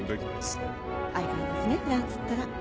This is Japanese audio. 相変わらずねフランツったら。